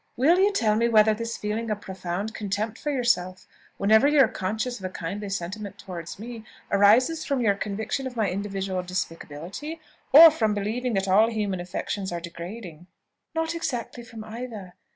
"Will you tell me whether this feeling of profound contempt for yourself, whenever you are conscious of a kindly sentiment towards me, arises from your conviction of my individual despicability, or from believing that all human affections are degrading?" "Not exactly from either.